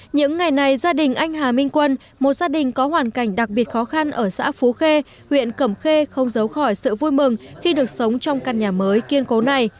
những ngày này gia đình anh hà minh quân một gia đình có hoàn cảnh đặc biệt khó khăn ở xã phú khê huyện cẩm khê không giấu khỏi sự vui mừng khi được sống trong căn nhà mới kiên cố này